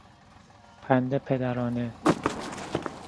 پند پدرانه